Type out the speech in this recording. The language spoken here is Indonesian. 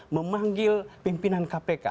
memanggil pimpinan kpk